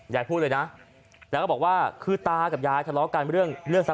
ยายพูดเลยนะและก็บอกว่าคือตากับยายศาลเบียวเรื่องซักผ้า